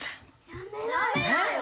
やめなよ！